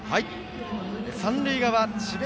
三塁側、智弁